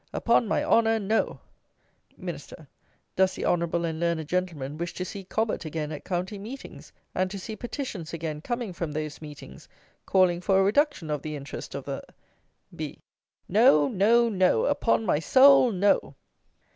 Upon my honour, no! MIN. Does the honourable and learned Gentleman wish to see Cobbett again at county meetings, and to see petitions again coming from those meetings, calling for a reduction of the interest of the...? B. No, no, no, upon my soul, no!